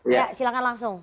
ya silahkan langsung